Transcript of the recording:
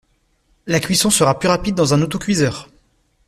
La cuisson sera plus rapide dans un autocuiseur